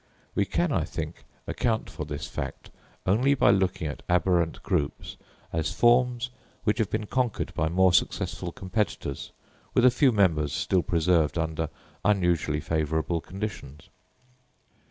We can, I think, account for this fact only by looking at aberrant groups as forms which have been conquered by more successful competitors, with a few members still preserved under unusually favourable conditions.